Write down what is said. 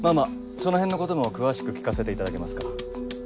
そのへんのことも詳しく聞かせていただけますか。